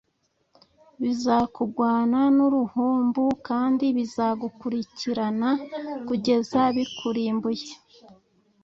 bizakugwana n’uruhumbu kandi bizagukurikirana kugeza bikurimbuye